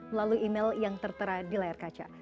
melalui email yang tertera di layar kaca